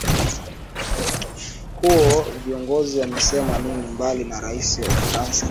huo Viongozi wamesema ni nini Mbali na Rais wa ufaransa